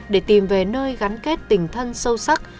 để tìm về nơi gắn kết tình thân sâu sắc